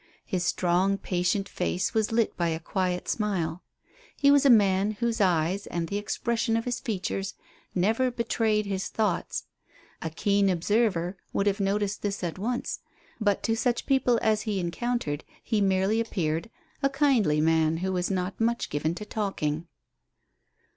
His strong, patient face was lit by a quiet smile. He was a man whose eyes, and the expression of his features, never betrayed his thoughts. A keen observer would have noticed this at once, but to such people as he encountered he merely appeared a kindly man who was not much given to talking.